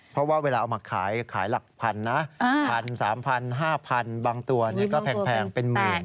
เพราะว่าเวลาเอามาขายขายหลักพันนะพันสามพันห้าพันบางตัวเนี่ยก็แพงเป็นหมื่น